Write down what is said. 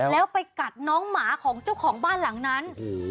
แล้วไปกัดน้องหมาของเจ้าของบ้านหลังนั้น